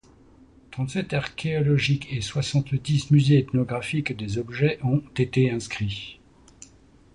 Trente-sept archéologique et soixante-dix musée ethnographique des objets ont été inscrits.